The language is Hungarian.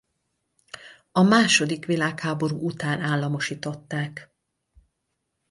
A második világháború után államosították.